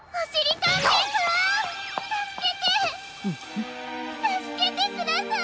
たすけてください！